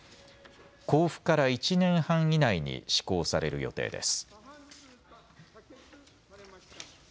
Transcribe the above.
公布から１年半以内に施行される予定です。